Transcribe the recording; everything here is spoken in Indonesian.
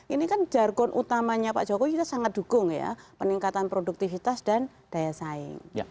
ini kan jargon utamanya pak jokowi kita sangat dukung ya peningkatan produktivitas dan daya saing